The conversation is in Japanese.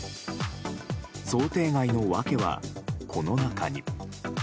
想定外の訳は、この中に。